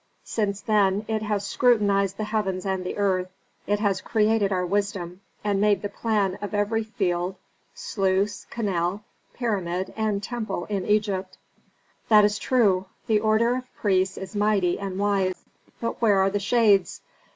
Since then, it has scrutinized the heavens and the earth; it has created our wisdom, and made the plan of every field, sluice, canal, pyramid, and temple in Egypt." "That is true. The order of priests is mighty and wise, but where are the shades?